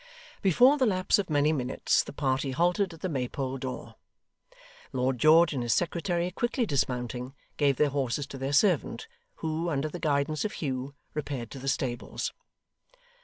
Before the lapse of many minutes the party halted at the Maypole door. Lord George and his secretary quickly dismounting, gave their horses to their servant, who, under the guidance of Hugh, repaired to the stables.